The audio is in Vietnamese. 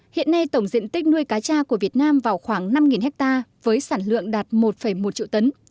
hiện nay tổng diện tích nuôi cá cha của việt nam vào khoảng năm ha với sản lượng đạt một một triệu tấn